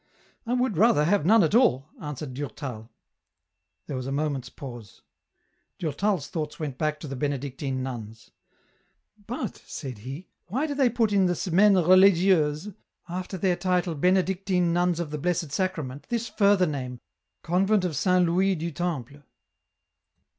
" I would rather have none at all," answered Durtal. There was a moment's pause. Durtal's thoughts went back to the Benedictine nuns :" But," said he, " why do they put in the ' Semaine reli gieuse,' after their title Benedictine Nuns of the Blessed Sacrament, this further name, ' Convent of Saint Louis du Temple